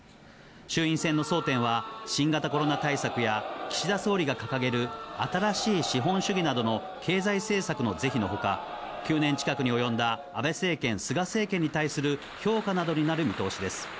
衆院選の争点は、新型コロナ対策や、岸田総理が掲げる新しい資本主義などの経済政策の是非のほか、９年近くに及んだ安倍政権・菅政権に対する評価などになる見通しです。